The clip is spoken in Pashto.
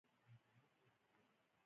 سګرټ سږو ته زیان رسوي